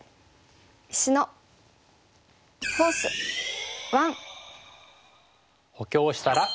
「石のフォース１」。